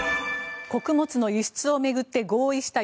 穀物の輸出を巡って合意した